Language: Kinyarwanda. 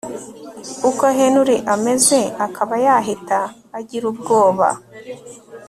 uko Henry ameze akaba yahita agirubwoba